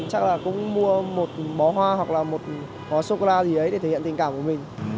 chắc là cũng mua một bó hoa hoặc là một hóa chocolate gì đấy để thể hiện tình cảm của mình